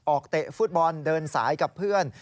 เตะฟุตบอลเดินสายกับเพื่อน